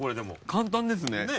簡単ですね。